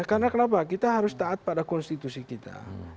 karena kenapa kita harus taat pada konstitusi kita